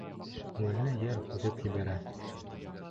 Күңелле йыр һуҙып ебәрә.